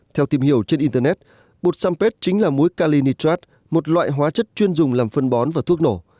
theo tìm hiểu trên internet bột sampad chính là mũi calinitrat một loại hóa chất chuyên dùng làm phân bón và thuốc nổ